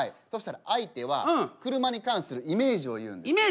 そしたら相手は車に関するイメージを言うんです。